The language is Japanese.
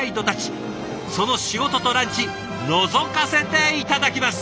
その仕事とランチのぞかせて頂きます！